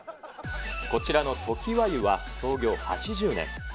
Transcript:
こちらの常盤湯は、創業８０年。